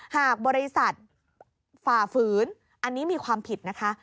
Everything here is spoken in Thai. หากบริษัทฝ่าฝืนอันนี้มีความผิดนะคะ